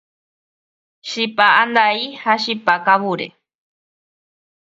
Chipa andai ha chipa kavure